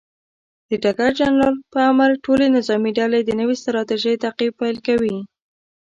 د ډګر جنرال پر امر، ټولې نظامي ډلې د نوې ستراتیژۍ تعقیب پیل کوي.